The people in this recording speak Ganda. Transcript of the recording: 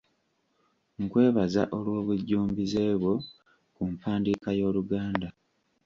Nkwebaza olw'obujjumbize bwo ku mpandiika y'Oluganda.